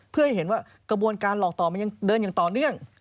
เพื่อให้เห็นว่ากระบวนการหลอกต้องเดินต่อเนื่อง